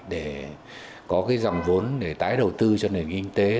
để có cái dòng vốn để tái đầu tư cho nền kinh tế